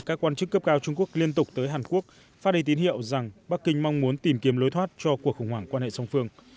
các quan chức cấp cao trung quốc liên tục tới hàn quốc phát đầy tín hiệu rằng bắc kinh mong muốn tìm kiếm lối thoát cho cuộc khủng hoảng quan hệ song phương